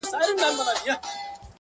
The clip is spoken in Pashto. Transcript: ستا د سونډو په ساغر کي را ايسار دی